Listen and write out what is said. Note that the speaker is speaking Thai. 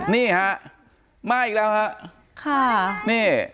นี่ฮะมาอีกแล้วฮะค่ะนี่